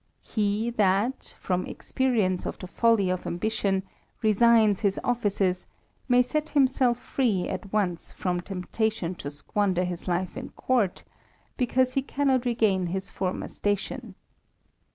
He that, from experience of folly of ambition, lesigns his ofHces, may set himself free once from temptation to squander his life in courts, he cannot regain his former station.